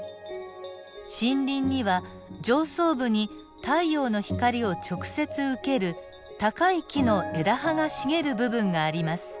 森林には上層部に太陽の光を直接受ける高い木の枝葉が茂る部分があります。